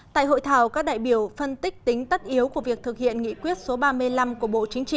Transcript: tại hội thảo các đại biểu phân tích tính tắt yếu của việc thực hiện nghị quyết số ba mươi năm